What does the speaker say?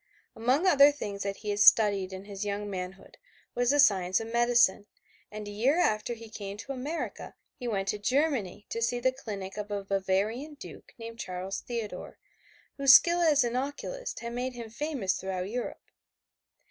Among other things that he had studied in his young manhood was the science of medicine, and a year after he came to America he went to Germany to see the clinic of a Bavarian duke named Charles Theodore, whose skill as an occulist had made him famous throughout Europe.